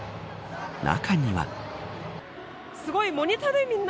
中には。